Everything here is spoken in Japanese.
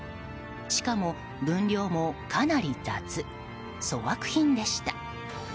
しかも分量も、かなり雑粗悪品でした。